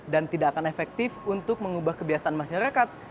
dan tidak akan efektif untuk mengubah kebiasaan masyarakat